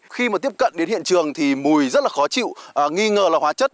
khi mà tiếp cận đến hiện trường thì mùi rất là khó chịu nghi ngờ là hóa chất